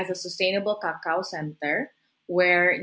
sebagai pusat kakao yang berkendaraan